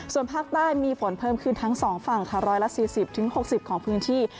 ส่วนภาคใต้มีฝนเพิ่มขึ้นทั้ง๒ฝั่งค่ะ๑๔๐๖๐ของพื้นที่